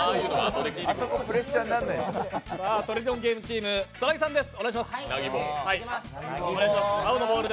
「トリリオンゲーム」チーム、草薙さんです。